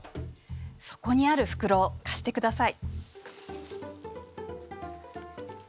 そこにある袋貸してください。